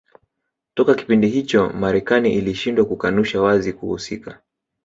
Toka kipindi hicho Marekani ilishindwa kukanusha wazi kuhusika